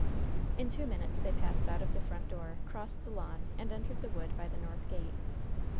In two minutes they passed out of the front door, crossed the lawn, and entered the wood by the north gate.